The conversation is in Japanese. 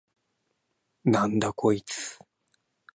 なんだこいつ！？